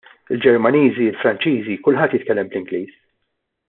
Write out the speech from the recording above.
Il-Ġermaniżi, il-Franċiżi, kulħadd jitkellem bl-Ingliż.